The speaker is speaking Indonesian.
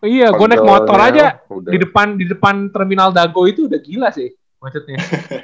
iya gue naik motor aja di depan terminal dago itu udah gila sih macetnya